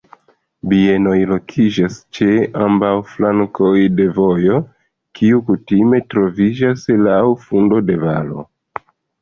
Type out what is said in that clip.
Bienoj lokiĝas ĉe ambaŭ flankoj de vojo, kiu kutime troviĝas laŭ fundo de valo.